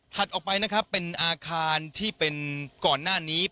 ออกไปนะครับเป็นอาคารที่เป็นก่อนหน้านี้